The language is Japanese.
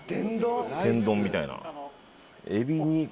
天丼みたいな。